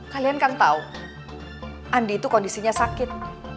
kalian kan tahu andi itu kondisinya sakit